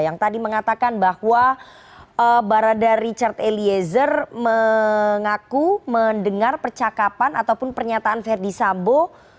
yang tadi mengatakan bahwa barada richard eliezer mengaku mendengar percakapan ataupun pernyataan verdi sambo